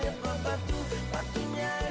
tid pesen kopinya ya